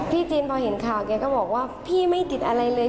จีนพอเห็นข่าวแกก็บอกว่าพี่ไม่ติดอะไรเลย